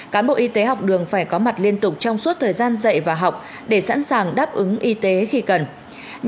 cán bộ y tế học đường phải có mặt liên tục trong suốt thời gian dạy và học để sẵn sàng đáp ứng y tế khi cần